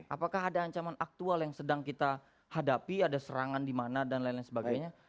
apakah ada ancaman aktual yang sedang kita hadapi ada serangan di mana dan lain lain sebagainya